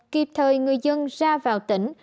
kịp thời người dân ra vào tỉnh